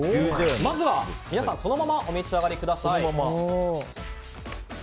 まずは、皆さんそのままお召し上がりください。